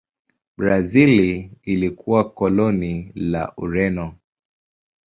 Brazil ilikuwa koloni la Ureno.